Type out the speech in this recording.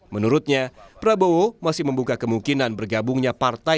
menurutnya prabowo masih membuka kemungkinan bergabungnya partai